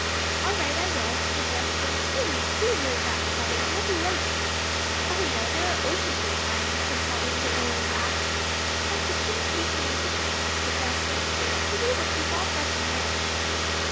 "All right; I will," said Jasper. "Dear me! do hurry back, Polly. You'll be late." "Oh no, there are oceans of time," said Polly, with a little laugh. "I've the tin case in my picnic basket, Jasper, so they will keep all fresh and nice."